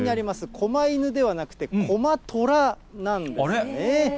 こま犬ではなくて、こま寅なんですね。